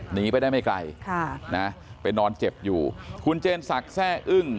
หนีไปได้ไม่ไกลค่ะนะไปนอนเจ็บอยู่คุณเจนศักดิ์แซ่อึ้ง